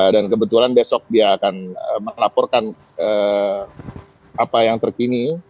dan kebetulan besok dia akan melaporkan apa yang terkini